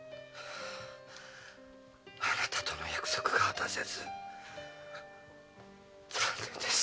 あなたとの約束が果たせず残念です！